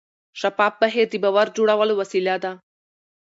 شفاف بهیر د باور جوړولو وسیله ده.